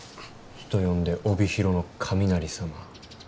人呼んで帯広の雷様。